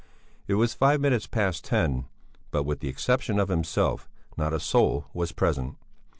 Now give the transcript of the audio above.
It was five minutes past ten, but with the exception of himself, not a soul was present.